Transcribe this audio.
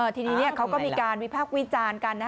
ทีนี้เขาก็มีการวิพากษ์วิจารณ์กัน